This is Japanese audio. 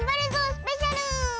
スペシャル！